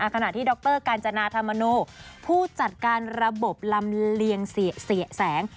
ขณะที่ด็อคร์การจนาธรรมนูผู้จัดการระบบรำเครียงเสี่ยแสง